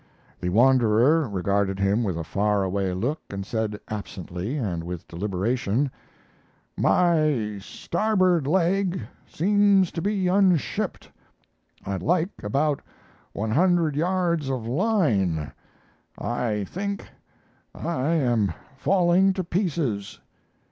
The wanderer regarded him with a far away look and said, absently and with deliberation: "My starboard leg seems to be unshipped. I'd like about one hundred yards of line; I think I am falling to pieces."